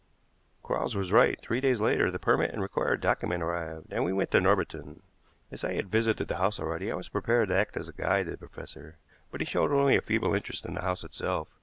Quarles was right. Three days later the permit and the required document arrived, and we went to Norbiton. As I had visited the house already, I was prepared to act as guide to the professor, but he showed only a feeble interest in the house itself.